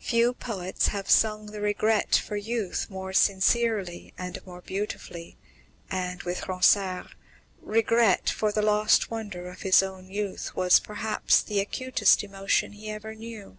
Few poets have sung the regret for youth more sincerely and more beautifully, and, with Ronsard, regret for the lost wonder of his own youth was perhaps the acutest emotion he ever knew.